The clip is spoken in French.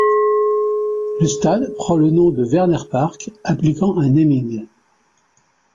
Le stade prend le nom de Werner Park, appliquant un naming.